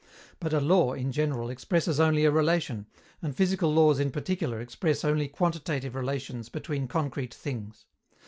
But a law, in general, expresses only a relation, and physical laws in particular express only quantitative relations between concrete things.